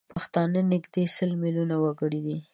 پښتانه نزدي سل میلیونه وګړي دي